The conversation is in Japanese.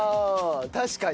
確かに。